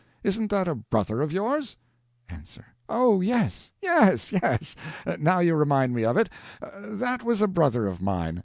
Isn't that a brother of yours? A. Oh, yes, yes, yes! Now you remind me of it; that was a brother of mine.